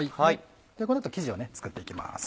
この後生地を作っていきます。